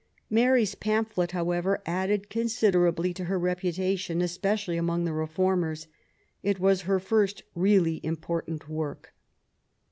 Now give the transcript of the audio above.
Mary's pamphlet, however, added considerably to her reputation, especially among the reformers. It was her first really important work.